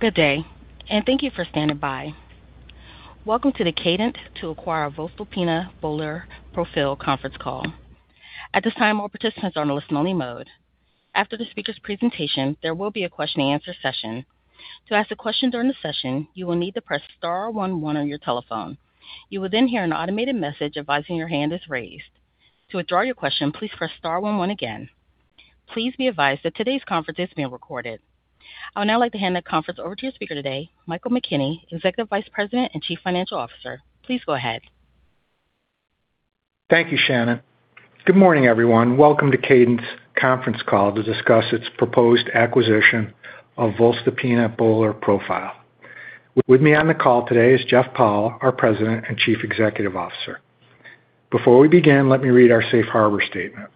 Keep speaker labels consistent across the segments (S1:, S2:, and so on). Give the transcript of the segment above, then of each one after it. S1: Good day, and thank you for standing by. Welcome to the Kadant to Acquire a voestalpine BÖHLER Profil conference call. At this time, all participants are in a listen-only mode. After the speaker's presentation, there will be a question-and-answer session. To ask a question during the session, you will need to press star one one on your telephone. You will then hear an automated message advising your hand is raised. To withdraw your question, please press star one one again. Please be advised that today's conference is being recorded. I would now like to hand the conference over to your speaker today, Michael McKenney, Executive Vice President and Chief Financial Officer. Please go ahead.
S2: Thank you, Shannon. Good morning, everyone. Welcome to Kadant's conference call to discuss its proposed acquisition of voestalpine BÖHLER Profil. With me on the call today is Jeff Powell, our President and Chief Executive Officer. Before we begin, let me read our Safe Harbor Statement.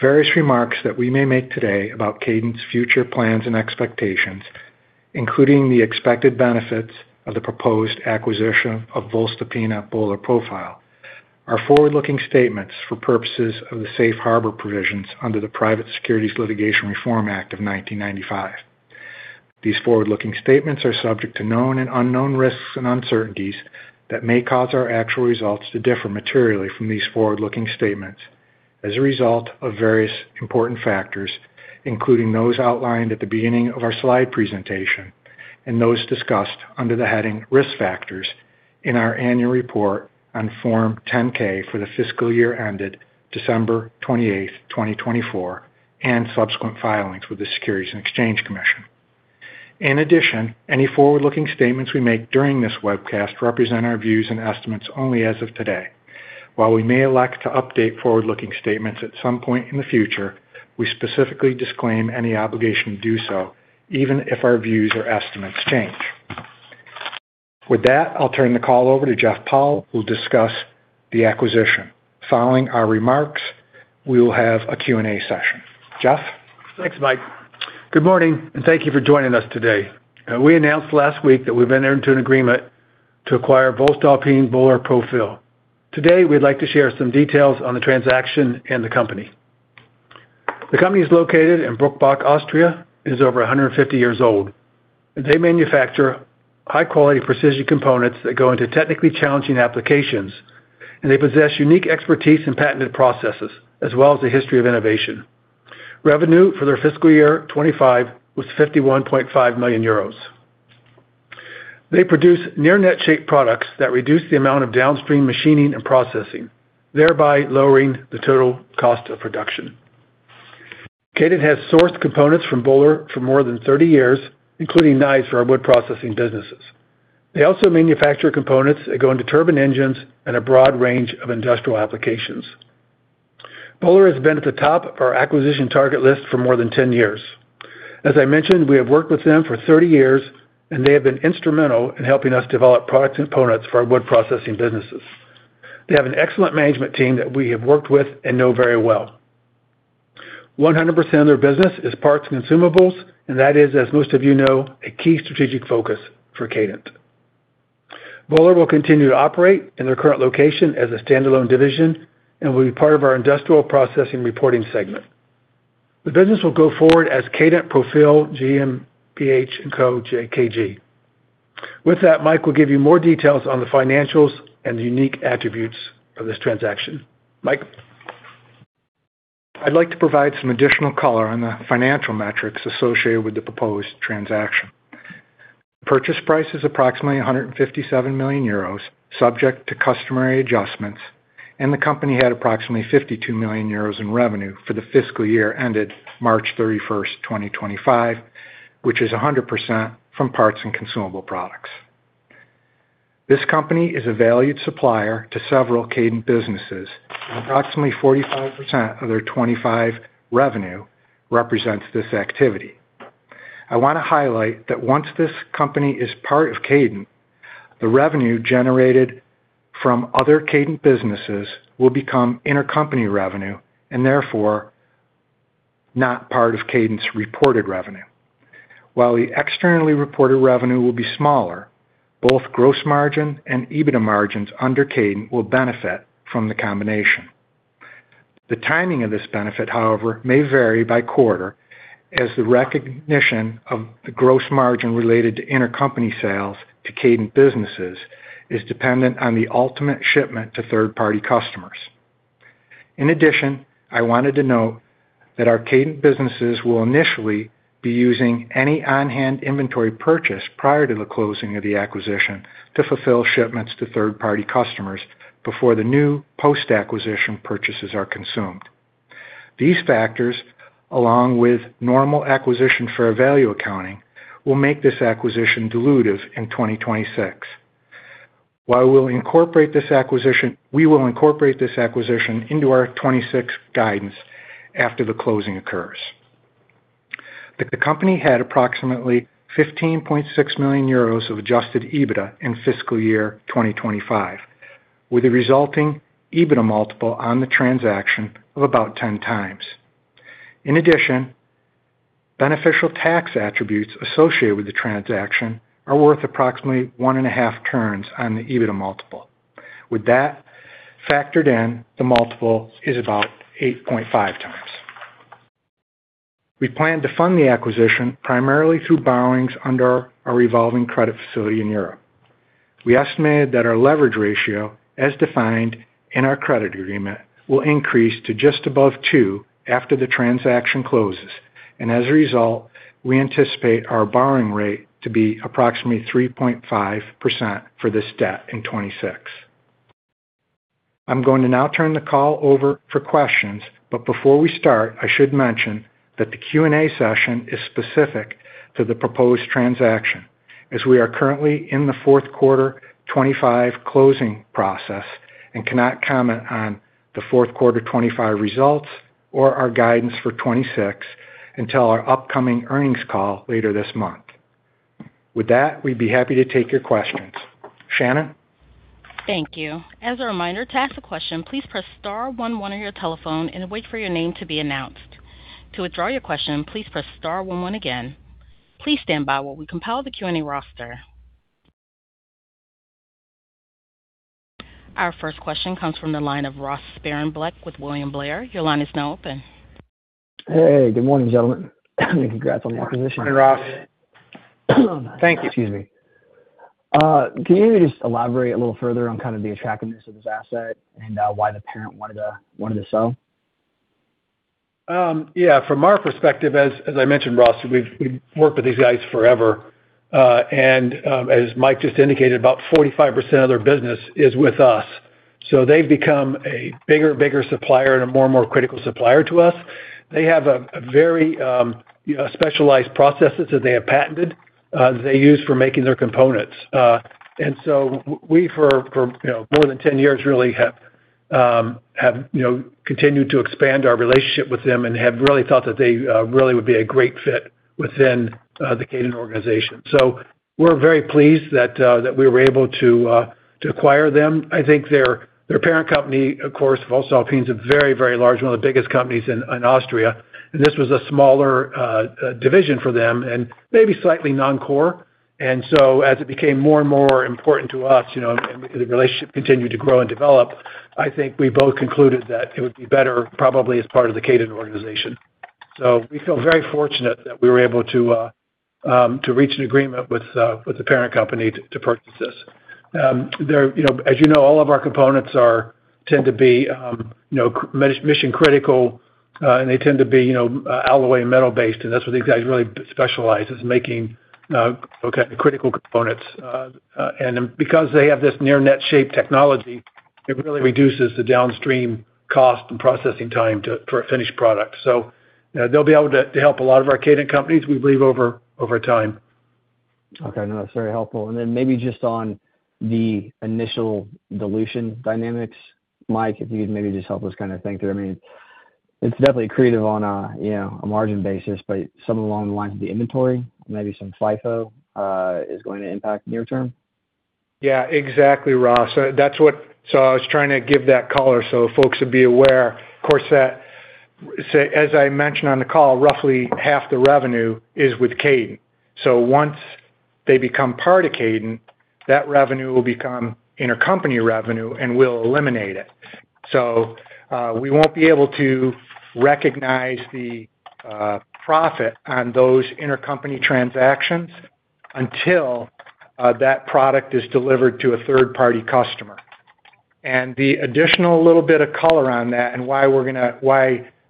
S2: Various remarks that we may make today about Kadant's future plans and expectations, including the expected benefits of the proposed acquisition of voestalpine BÖHLER Profil, are forward-looking statements for purposes of the Safe Harbor provisions under the Private Securities Litigation Reform Act of 1995. These forward-looking statements are subject to known and unknown risks and uncertainties that may cause our actual results to differ materially from these forward-looking statements as a result of various important factors, including those outlined at the beginning of our slide presentation and those discussed under the heading Risk Factors in our annual report on Form 10-K for the fiscal year ended December 28th, 2024, and subsequent filings with the Securities and Exchange Commission. In addition, any forward-looking statements we make during this webcast represent our views and estimates only as of today. While we may elect to update forward-looking statements at some point in the future, we specifically disclaim any obligation to do so, even if our views or estimates change. With that, I'll turn the call over to Jeff Powell, who'll discuss the acquisition. Following our remarks, we will have a Q&A session. Jeff?
S3: Thanks, Mike. Good morning, and thank you for joining us today. We announced last week that we've entered into an agreement to acquire voestalpine BÖHLER Profil. Today, we'd like to share some details on the transaction and the company. The company is located in Bruckbach, Austria, and is over 150 years old. They manufacture high-quality precision components that go into technically challenging applications, and they possess unique expertise in patented processes as well as a history of innovation. Revenue for their fiscal year 2025 was 51.5 million euros. They produce near-net-shaped products that reduce the amount of downstream machining and processing, thereby lowering the total cost of production. Kadant has sourced components from BÖHLER for more than 30 years, including knives for our wood processing businesses. They also manufacture components that go into turbine engines and a broad range of industrial applications. Böhler has been at the top of our acquisition target list for more than 10 years. As I mentioned, we have worked with them for 30 years, and they have been instrumental in helping us develop products and components for our wood processing businesses. They have an excellent management team that we have worked with and know very well. 100% of their business is parts and consumables, and that is, as most of you know, a key strategic focus for Kadant. Böhler will continue to operate in their current location as a standalone division and will be part of our industrial processing reporting segment. The business will go forward as Kadant Profil GmbH & Co. KG. With that, Mike will give you more details on the financials and the unique attributes of this transaction. Mike?
S2: I'd like to provide some additional color on the financial metrics associated with the proposed transaction. The purchase price is approximately 157 million euros, subject to customary adjustments, and the company had approximately 52 million euros in revenue for the fiscal year ended March 31st, 2025, which is 100% from parts and consumable products. This company is a valued supplier to several Kadant businesses, and approximately 45% of their '25 revenue represents this activity. I want to highlight that once this company is part of Kadant, the revenue generated from other Kadant businesses will become intercompany revenue and therefore not part of Kadant's reported revenue. While the externally reported revenue will be smaller, both gross margin and EBITDA margins under Kadant will benefit from the combination. The timing of this benefit, however, may vary by quarter as the recognition of the gross margin related to intercompany sales to Kadant businesses is dependent on the ultimate shipment to third-party customers. In addition, I wanted to note that our Kadant businesses will initially be using any on-hand inventory purchase prior to the closing of the acquisition to fulfill shipments to third-party customers before the new post-acquisition purchases are consumed. These factors, along with normal acquisition fair value accounting, will make this acquisition dilutive in 2026. While we'll incorporate this acquisition, we will incorporate this acquisition into our 2026 guidance after the closing occurs. The company had approximately 15.6 million euros of adjusted EBITDA in fiscal year 2025, with a resulting EBITDA multiple on the transaction of about 10x. In addition, beneficial tax attributes associated with the transaction are worth approximately 1.5 turns on the EBITDA multiple. With that factored in, the multiple is about 8.5x. We plan to fund the acquisition primarily through borrowings under our revolving credit facility in Europe. We estimated that our leverage ratio, as defined in our credit agreement, will increase to just above two after the transaction closes, and as a result, we anticipate our borrowing rate to be approximately 3.5% for this debt in 2026. I'm going to now turn the call over for questions, but before we start, I should mention that the Q&A session is specific to the proposed transaction as we are currently in the fourth quarter 2025 closing process and cannot comment on the fourth quarter 2025 results or our guidance for 2026 until our upcoming earnings call later this month. With that, we'd be happy to take your questions. Shannon?
S1: Thank you. As a reminder to ask a question, please press star one one on your telephone and wait for your name to be announced. To withdraw your question, please press star one one again. Please stand by while we compile the Q&A roster. Our first question comes from the line of Ross Sparenblek with William Blair. Your line is now open.
S4: Hey, good morning, gentlemen. Congrats on the acquisition.
S3: Hi, Ross.
S4: Thank you. Excuse me. Can you maybe just elaborate a little further on kind of the attractiveness of this asset and why the parent wanted to sell?
S3: Yeah. From our perspective, as I mentioned, Ross, we've worked with these guys forever, and as Mike just indicated, about 45% of their business is with us. So they've become a bigger and bigger supplier and a more and more critical supplier to us. They have very specialized processes that they have patented that they use for making their components. And so we, for more than 10 years, really have continued to expand our relationship with them and have really thought that they really would be a great fit within the Kadant organization. So we're very pleased that we were able to acquire them. I think their parent company, of course, voestalpine is a very, very large, one of the biggest companies in Austria, and this was a smaller division for them and maybe slightly non-core. And so as it became more and more important to us and the relationship continued to grow and develop, I think we both concluded that it would be better probably as part of the Kadant organization. So we feel very fortunate that we were able to reach an agreement with the parent company to purchase this. As you know, all of our components tend to be mission-critical, and they tend to be alloy and metal-based, and that's what these guys really specialize in, making critical components. And because they have this near-net-shaped technology, it really reduces the downstream cost and processing time for a finished product. So they'll be able to help a lot of our Kadant companies, we believe, over time.
S4: Okay. No, that's very helpful. And then maybe just on the initial dilution dynamics, Mike, if you could maybe just help us kind of think through. I mean, it's definitely accretive on a margin basis, but something along the lines of the inventory, maybe some FIFO, is going to impact near-term?
S2: Yeah, exactly, Ross. So I was trying to give that color so folks would be aware. Of course, as I mentioned on the call, roughly half the revenue is with Kadant. So once they become part of Kadant, that revenue will become intercompany revenue and we'll eliminate it. So we won't be able to recognize the profit on those intercompany transactions until that product is delivered to a third-party customer. And the additional little bit of color on that and why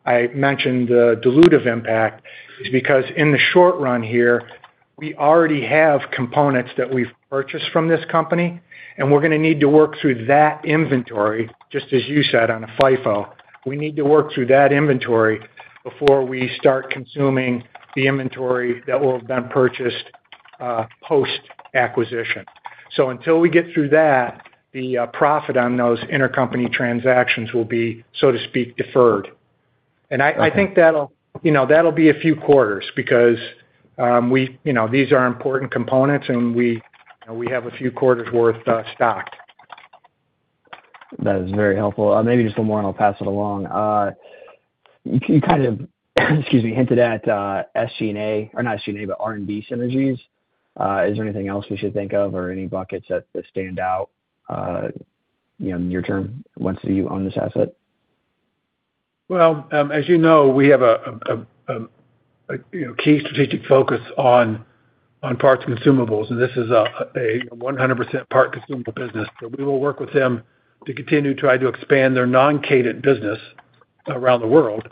S2: I mentioned the dilutive impact is because in the short run here, we already have components that we've purchased from this company, and we're going to need to work through that inventory, just as you said on a FIFO. We need to work through that inventory before we start consuming the inventory that will have been purchased post-acquisition. So until we get through that, the profit on those intercompany transactions will be, so to speak, deferred. And I think that'll be a few quarters because these are important components, and we have a few quarters' worth stocked.
S4: That is very helpful. Maybe just one more, and I'll pass it along. You kind of, excuse me, hinted at SG&A or not SG&A, but R&D Synergies. Is there anything else we should think of or any buckets that stand out near-term once you own this asset?
S3: Well, as you know, we have a key strategic focus on parts and consumables, and this is a 100% part consumable business. So we will work with them to continue to try to expand their non-Kadant business around the world.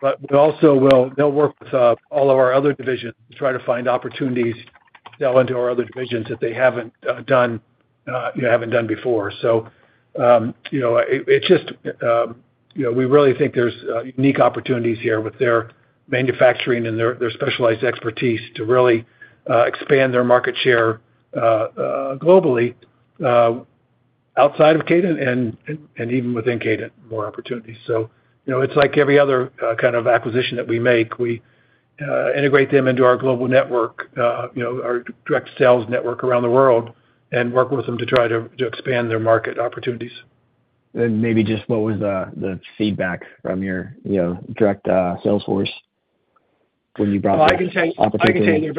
S3: But they'll work with all of our other divisions to try to find opportunities to sell into our other divisions that they haven't done before. So it's just we really think there's unique opportunities here with their manufacturing and their specialized expertise to really expand their market share globally outside of Kadant and even within Kadant, more opportunities. So it's like every other kind of acquisition that we make. We integrate them into our global network, our direct sales network around the world, and work with them to try to expand their market opportunities.
S4: Maybe just what was the feedback from your direct sales force when you brought this opportunity?
S3: Well, I can tell you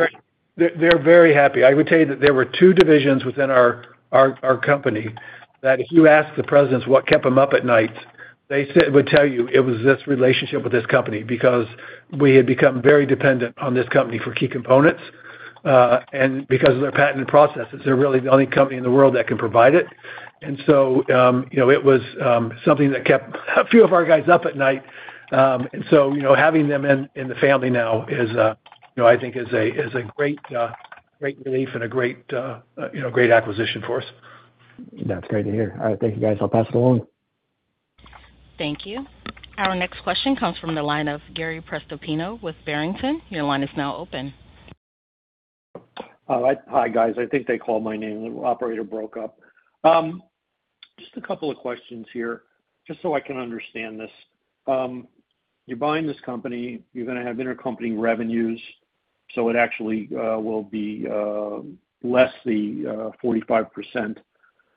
S3: they're very happy. I would tell you that there were two divisions within our company that if you asked the presidents what kept them up at night, they would tell you it was this relationship with this company because we had become very dependent on this company for key components. And because of their patented processes, they're really the only company in the world that can provide it. And so it was something that kept a few of our guys up at night. And so having them in the family now, I think, is a great relief and a great acquisition for us.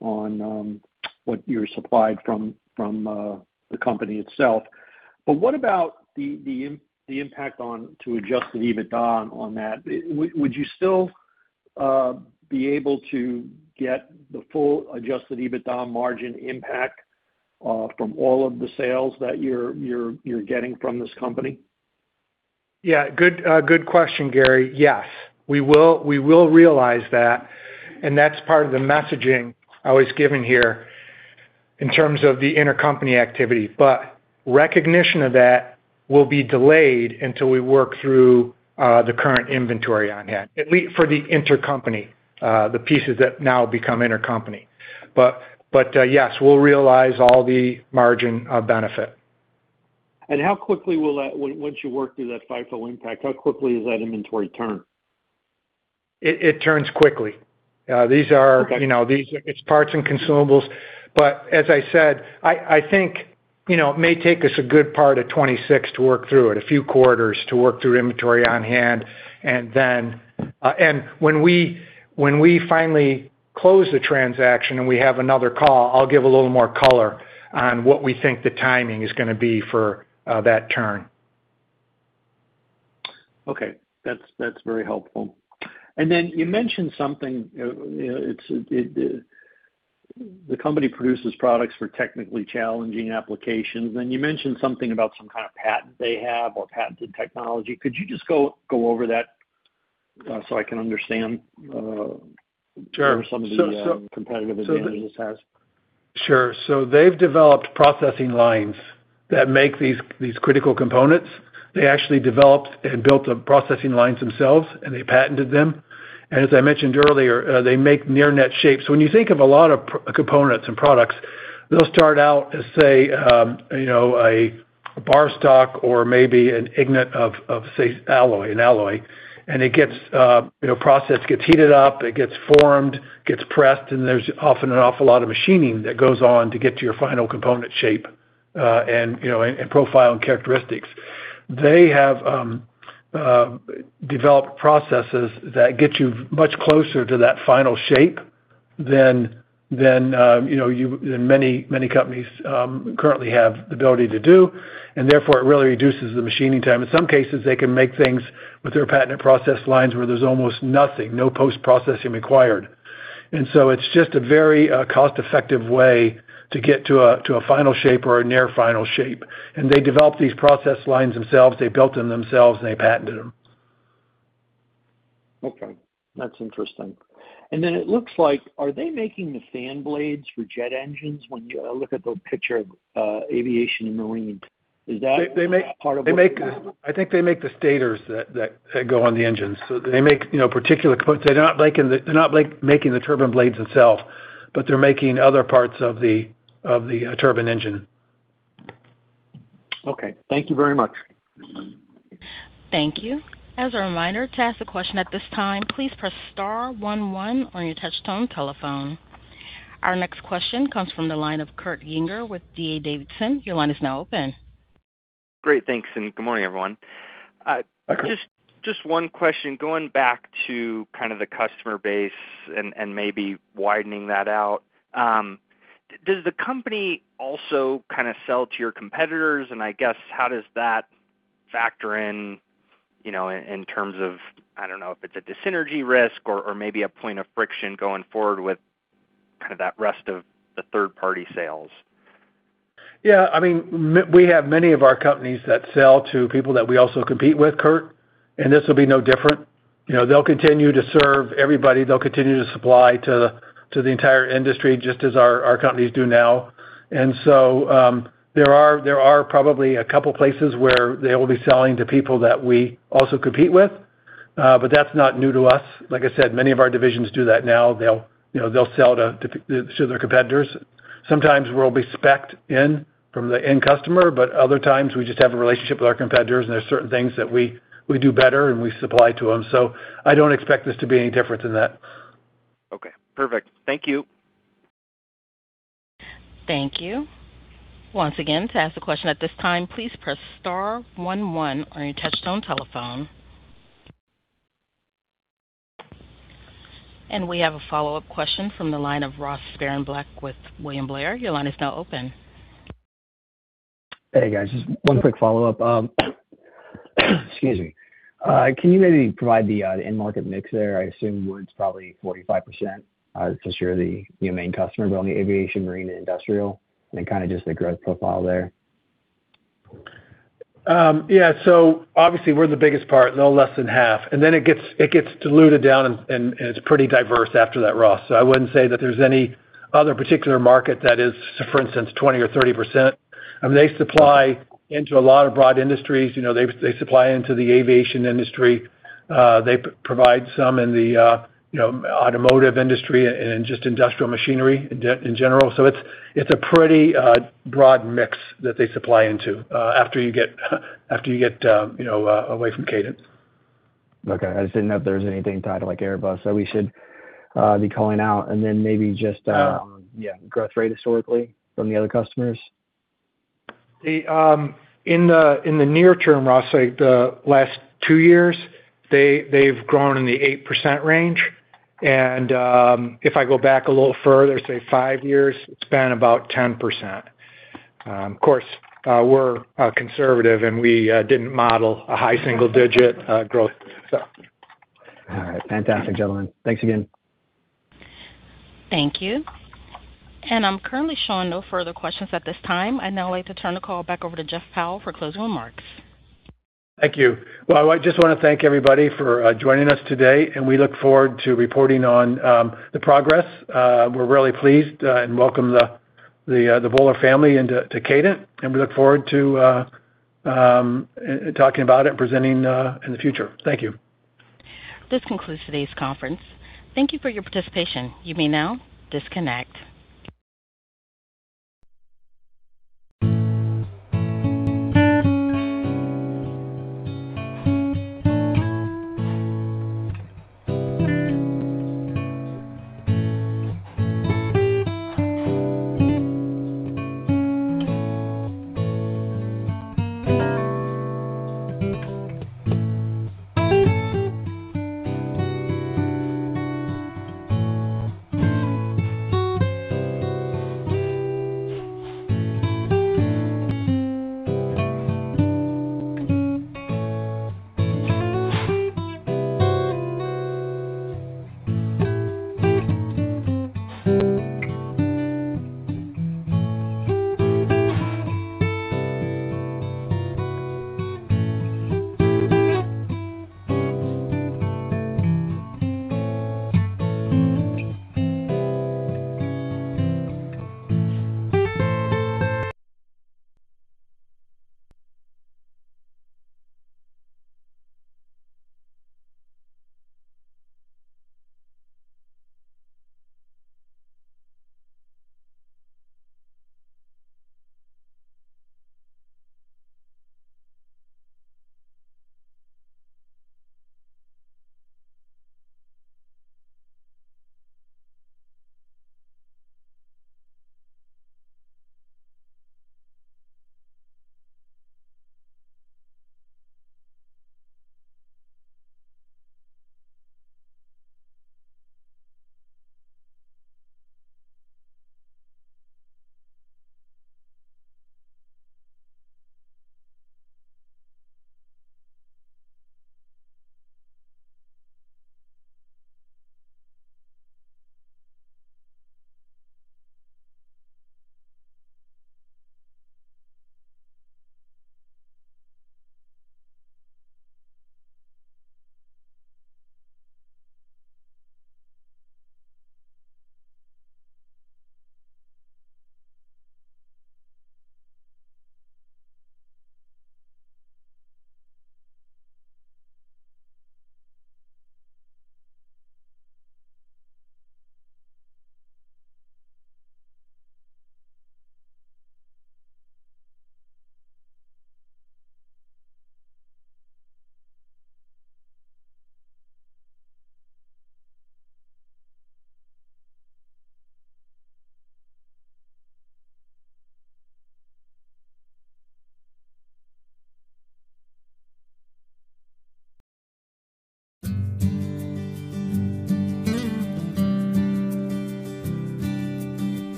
S5: on what you're supplied from the company itself. But what about the impact on to Adjusted EBITDA on that? Would you still be able to get the full Adjusted EBITDA margin impact from all of the sales that you're getting from this company?
S3: Yeah. Good question, Gary. Yes, we will realize that, and that's part of the messaging I was giving here in terms of the intercompany activity. But recognition of that will be delayed until we work through the current inventory on hand, at least for the intercompany, the pieces that now become intercompany. But yes, we'll realize all the margin benefit.
S5: How quickly will that, once you work through that FIFO impact, how quickly does that inventory turn?
S3: It turns quickly. These are parts and consumables. But as I said, I think it may take us a good part of 2026 to work through it, a few quarters to work through inventory on hand.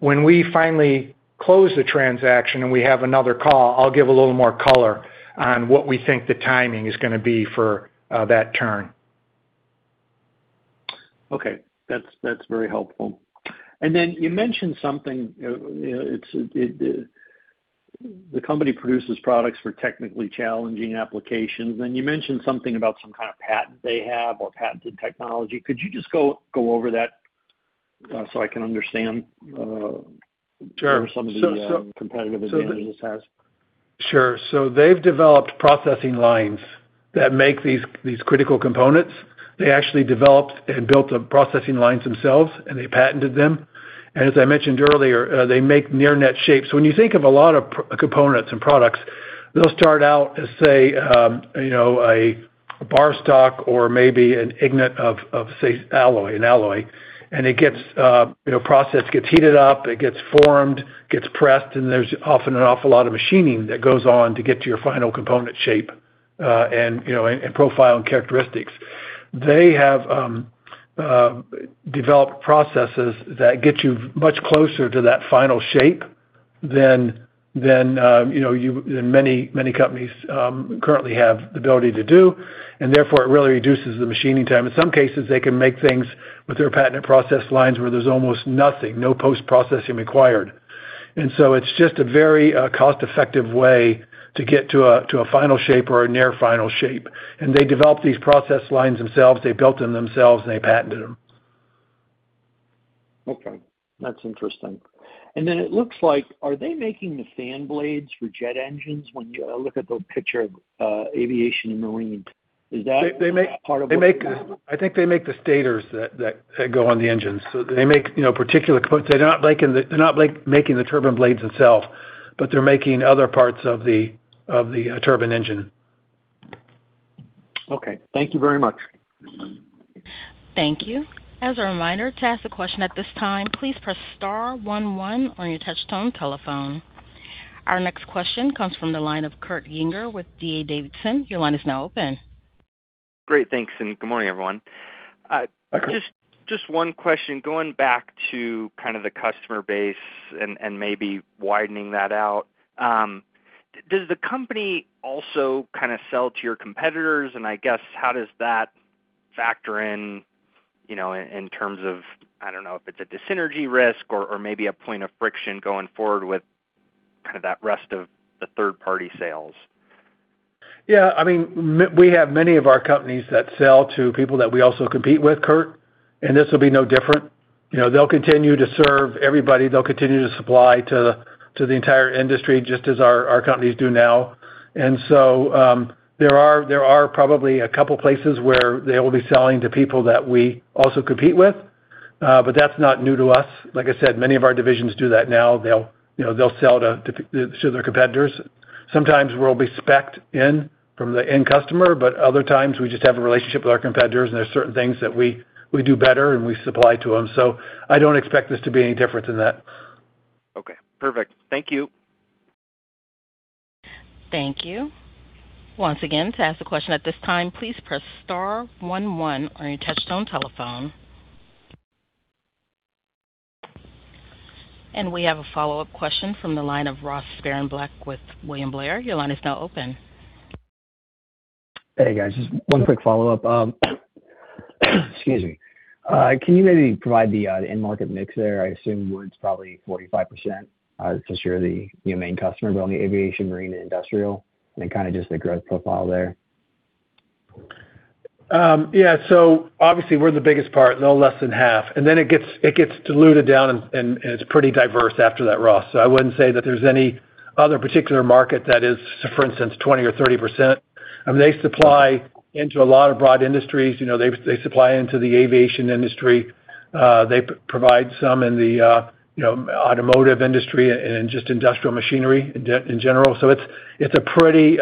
S3: When we finally close the transaction and we have another call, I'll give a little more color on what we think the timing is going to be for that turn.
S5: Okay. That's very helpful. And then you mentioned something. The company produces products for technically challenging applications, and you mentioned something about some kind of patent they have or patented technology. Could you just go over that so I can understand some of the competitive advantages this has?
S3: Sure. So they've developed processing lines that make these critical components. They actually developed and built the processing lines themselves, and they patented them. And as I mentioned earlier, they make near-net shapes. So when you think of a lot of components and products, they'll start out as, say, a bar stock or maybe an ingot of, say, an alloy. And it gets processed, gets heated up, it gets formed, gets pressed, and there's often an awful lot of machining that goes on to get to your final component shape and profile and characteristics. They have developed processes that get you much closer to that final shape than many, many companies currently have the ability to do, and therefore, it really reduces the machining time. In some cases, they can make things with their patented process lines where there's almost nothing, no post-processing required. And so it's just a very cost-effective way to get to a final shape or a near-net shape. And they developed these process lines themselves. They built them themselves, and they patented them.
S5: Okay. That's interesting. And then it looks like are they making the fan blades for jet engines? When you look at the picture of aviation and marine, is that part of what they're doing?
S3: I think they make the stators that go on the engines. So they make particular components. They're not making the turbine blades themselves, but they're making other parts of the turbine engine.
S5: Okay. Thank you very much.
S1: Thank you. As a reminder, to ask a question at this time, please press star one one on your touch-tone telephone. Our next question comes from the line of Kurt Yinger with D.A. Davidson. Your line is now open.
S6: Great. Thanks. And good morning, everyone. Just one question. Going back to kind of the customer base and maybe widening that out, does the company also kind of sell to your competitors? And I guess, how does that factor in in terms of, I don't know, if it's a dissynergy risk or maybe a point of friction going forward with kind of that rest of the third-party sales?
S3: Yeah. I mean, we have many of our companies that sell to people that we also compete with, Kurt, and this will be no different. They'll continue to serve everybody. They'll continue to supply to the entire industry just as our companies do now. And so there are probably a couple of places where they will be selling to people that we also compete with, but that's not new to us. Like I said, many of our divisions do that now. They'll sell to their competitors. Sometimes we'll be specced in from the end customer, but other times, we just have a relationship with our competitors, and there's certain things that we do better, and we supply to them. So I don't expect this to be any different than that.
S6: Okay. Perfect. Thank you.
S1: Thank you. Once again, to ask a question at this time, please press star one one on your touch-tone telephone. We have a follow-up question from the line of Ross Sparenblek with William Blair. Your line is now open.
S4: Hey, guys. Just one quick follow-up. Excuse me. Can you maybe provide the end-market mix there? I assume it's probably 45% to share the main customer, but only aviation, marine, and industrial, and kind of just the growth profile there?
S3: Yeah. So obviously, we're the biggest part. No less than half. And then it gets diluted down, and it's pretty diverse after that, Ross. So I wouldn't say that there's any other particular market that is, for instance, 20% or 30%. I mean, they supply into a lot of broad industries. They supply into the aviation industry. They provide some in the automotive industry and just industrial machinery in general. So it's a pretty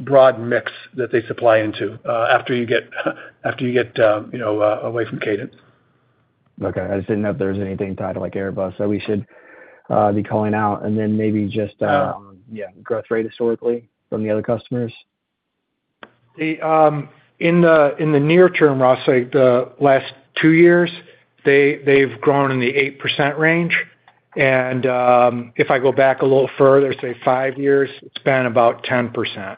S3: broad mix that they supply into after you get away from Kadant.
S4: Okay. I just didn't know if there was anything tied to Airbus, so we should be calling out. And then maybe just, yeah, growth rate historically from the other customers.
S3: In the near term, Ross, the last two years, they've grown in the 8% range. And if I go back a little further, say, five years, it's been about 10%.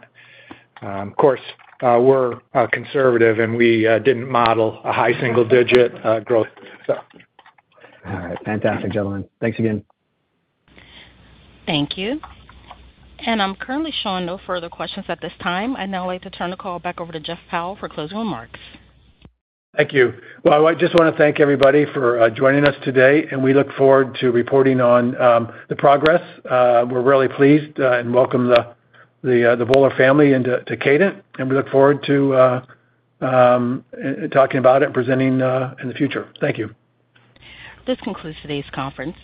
S3: Of course, we're conservative, and we didn't model a high single-digit growth, so.
S4: All right. Fantastic, gentlemen. Thanks again.
S1: Thank you. I'm currently showing no further questions at this time. I now like to turn the call back over to Jeff Powell for closing remarks.
S3: Thank you. Well, I just want to thank everybody for joining us today, and we look forward to reporting on the progress. We're really pleased and welcome the Böhler family into Kadant, and we look forward to talking about it and presenting in the future. Thank you.
S1: This concludes today's conference.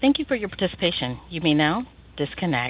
S1: Thank you for your participation. You may now disconnect.